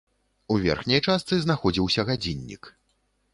У верхняй частцы знаходзіўся гадзіннік.